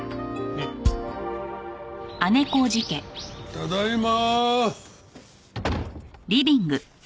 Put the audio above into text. ただいま。